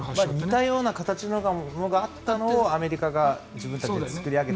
似たような形なのがあったのをアメリカが自分たちで作り上げたと。